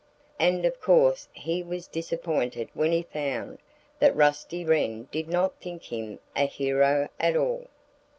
And of course he was disappointed when he found that Rusty Wren did not think him a hero at all.